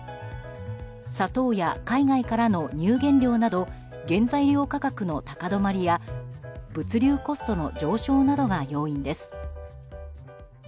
砂糖や海外からの乳原料など原材料価格の高止まりや物流コストの上昇などが要因です。